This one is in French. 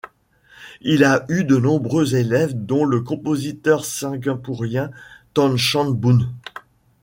Il a eu de nombreux élèves, dont le compositeur singapourien Tan Chan Boon.